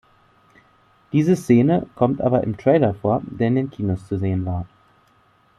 Diese Szene kommt aber im Trailer vor, der in den Kinos zu sehen war.